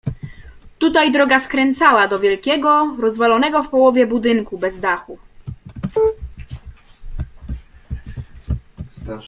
"Tutaj droga skręcała do wielkiego rozwalonego w połowie budynku bez dachu."